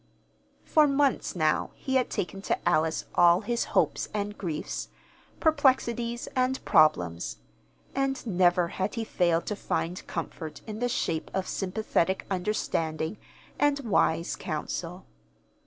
For months, now, he had taken to Alice all his hopes and griefs, perplexities and problems; and never had he failed to find comfort in the shape of sympathetic understanding and wise counsel.